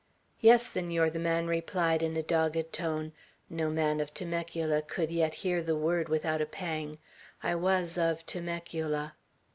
"Yes, Senor," the man replied in a dogged tone, no man of Temecula could yet hear the word without a pang, "I was of Temecula."